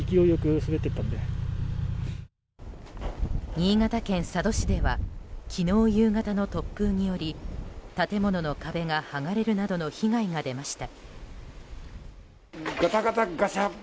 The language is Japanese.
新潟県佐渡市では昨日夕方の突風により建物の壁が剥がれるなどの被害が出ました。